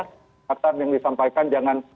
fakta yang disampaikan jangan